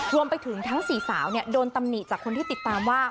รวมไปถึงทั้ง๔สาวโดนตำหนิจากคนที่ติดตามว่า